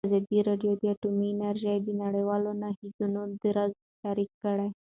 ازادي راډیو د اټومي انرژي د نړیوالو نهادونو دریځ شریک کړی.